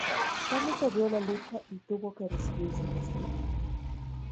Tommy perdió la lucha y tuvo que recibir su castigo.